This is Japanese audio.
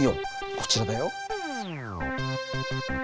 こちらだよ。